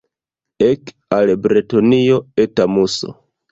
Ek al Bretonio, Eta Muso!